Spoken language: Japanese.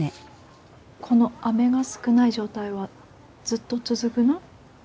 この雨が少ない状態はずっと続ぐの？